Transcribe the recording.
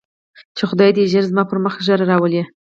چې خداى دې ژر زما پر مخ ږيره راولي.